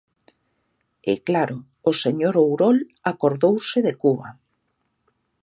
E, claro, o señor Ourol acordouse de Cuba.